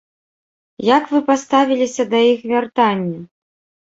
Як вы паставіліся да іх вяртання?